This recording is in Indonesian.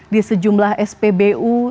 di sejumlah spbu